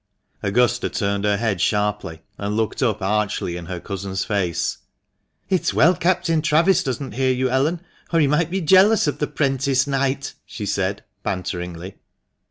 Augusta turned her head sharply, and looked up archly in her cousin's face. "It's well Captain Travis does not hear you, Ellen, or he might be jealous of the prentice knight," she said, banteringly.